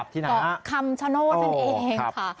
ก็คำชโน้นมันเองค่ะ